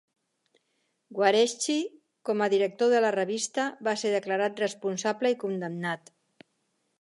Guareschi, com a director de la revista, va ser declarat responsable i condemnat.